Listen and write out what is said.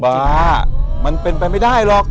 ว่ามันเป็นไปไม่ได้หรอก